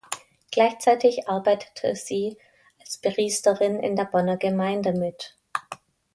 Gleichzeitig arbeitete sie als Priesterin in der Bonner Gemeinde mit.